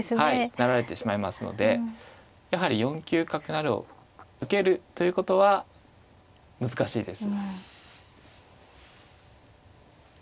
成られてしまいますのでやはり４九角成を受けるということは難しいです。